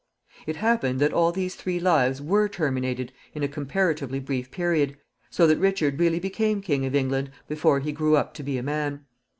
It happened that all these three lives were terminated in a comparatively brief period, so that Richard really became King of England before he grew up to be a man.